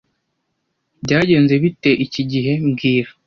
Byagenze bite iki gihe mbwira